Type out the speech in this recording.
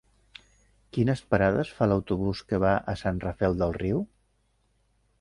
Quines parades fa l'autobús que va a Sant Rafel del Riu?